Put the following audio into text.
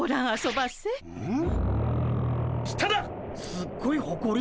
すっごいほこり！